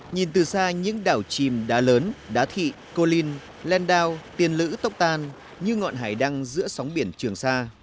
nhìn từ xa những đảo chìm đá lớn đá thị co linh len down tiền lữ tốc tan như ngọn hải đăng giữa sóng biển trường sa